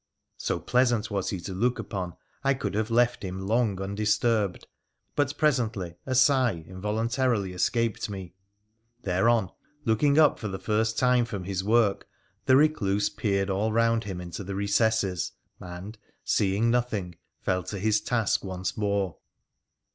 So pleasant was he to look upon, I could have left him long undisturbed, but presently a sigh involuntarily escaped me. Thereon, looking up for the first time from his work, the recluse peered all round him into the recesses, and, seeing nothing, fell to his task once more.